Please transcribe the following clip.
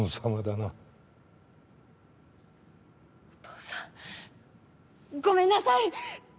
お父さんごめんなさい！